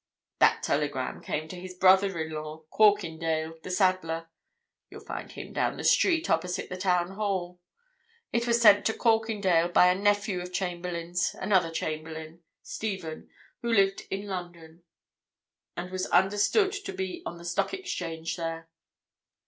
That telegram came to his brother in law, Corkindale, the saddler—you'll find him down the street, opposite the Town Hall. It was sent to Corkindale by a nephew of Chamberlayne's, another Chamberlayne, Stephen, who lived in London, and was understood to be on the Stock Exchange there.